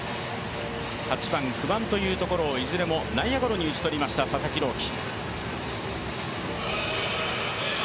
８番、９番をいずれも内野ゴロに打ち取りました佐々木朗希。